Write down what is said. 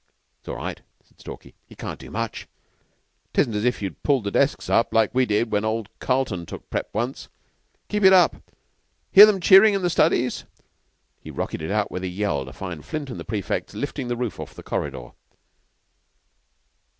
"It's all right," said Stalky. "He can't do much. 'Tisn't as if you'd pulled the desks up like we did when old Carleton took prep. once. Keep it up! Hear 'em cheering in the studies!" He rocketed out with a yell, to find Flint and the prefects lifting the roof off the corridor.